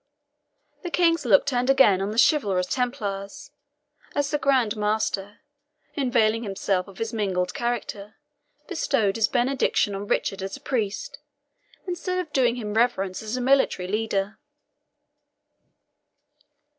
The King's look turned again on the chivalrous Templars, as the Grand Master, availing himself of his mingled character, bestowed his benediction on Richard as a priest, instead of doing him reverence as a military leader.